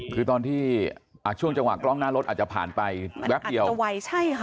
คือตอนที่ช่วงจังหวะกล้องหน้ารถอาจจะผ่านไปแวบเดียวจะไวใช่ค่ะ